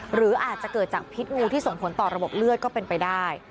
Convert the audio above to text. หรืออาจจะเกิดจากพิษงูที่ส่งผลต่อระบบเลือดก็เป็นไปได้